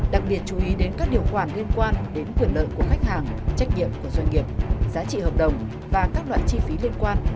đặc biệt chú ý đến các điều khoản liên quan đến quyền lợi của khách hàng trách nhiệm của doanh nghiệp giá trị hợp đồng và các loại chi phí liên quan